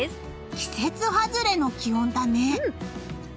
季節外れの気温だね。